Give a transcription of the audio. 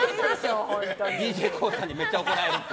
ＤＪＫＯＯさんにめっちゃ怒られた。